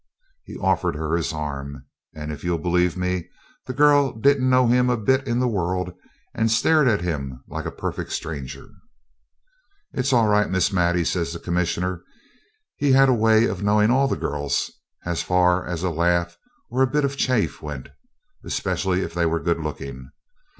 He offered her his arm, and, if you'll believe me, the girl didn't know him a bit in the world, and stared at him like a perfect stranger. 'It's all right, Miss Maddie,' says the Commissioner. He had a way of knowing all the girls, as far as a laugh or a bit of chaff went, especially if they were good looking.